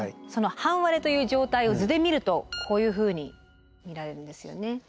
その半割れという状態を図で見るとこういうふうに見られるんですよね。